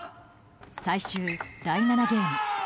最終第７ゲーム。